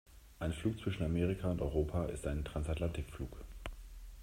Ein Flug zwischen Amerika und Europa ist ein Transatlantikflug.